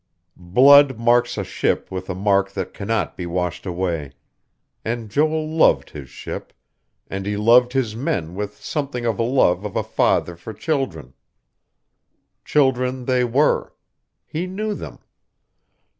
Blood marks a ship with a mark that cannot be washed away. And Joel loved his ship; and he loved his men with something of the love of a father for children. Children they were. He knew them.